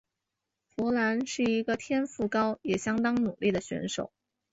佛兰是一个天赋高也相当努力的选手。